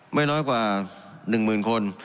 ไม่น้อยกว่า๑หมื่นคน